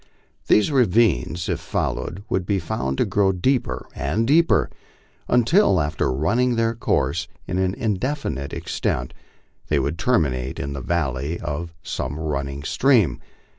These ravines, if followed, would be found to grow deeper and deeper, until, after running their course for an indefinite extent, they would terminate in the ynlley of some running stream.